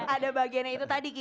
ada bagiannya itu tadi ki